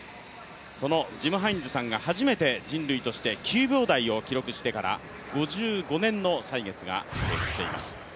そのジム・ハインズさんが人類として初めて９秒台を記録してから５５年の歳月が経過しています。